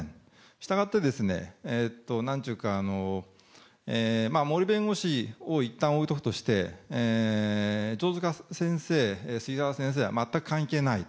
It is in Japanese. したがって、なんちゅうか、もり弁護士をいったん置いとくとして、じょうづか先生、すぎはら先生は全く関係ないと、